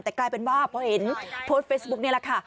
แต่กลายเป็นว่าพอเห็นโพสต์เฟซบุ๊กนี่แหละค่ะ